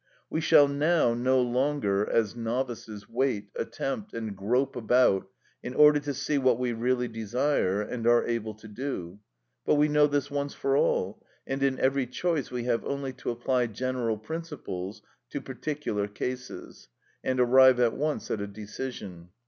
We shall now no longer, as novices, wait, attempt, and grope about in order to see what we really desire and are able to do, but we know this once for all, and in every choice we have only to apply general principles to particular cases, and arrive at once at a decision.